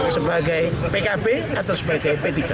sebagai pkb atau sebagai p tiga